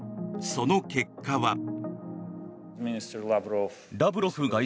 その結果は。